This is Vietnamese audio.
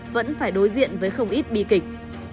vẫn phải đối diện với không ít bi kịch